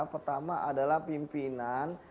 pertama adalah pimpinan